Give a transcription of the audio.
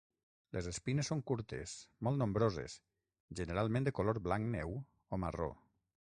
Les espines són curtes, molt nombroses, generalment de color blanc neu o marró.